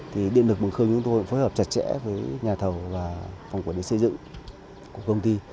thì điện lực mường khương chúng tôi phối hợp chặt chẽ với nhà thầu và phòng quản lý xây dựng của công ty